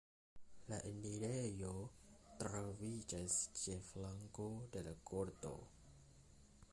La enirejo troviĝas ĉe flanko de la korto.